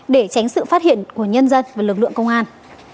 để tránh sự phát hiện của nhân dân và lực lượng công an